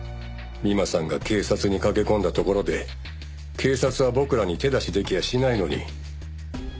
美馬さんが警察に駆け込んだところで警察は僕らに手出しできやしないのに。